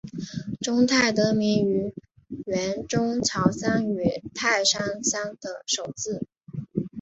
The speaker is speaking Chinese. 中泰得名于原中桥乡与泰山乡的首字。